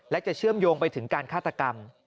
และจะเชื่อมโยงไปถึงการฆาตกรรม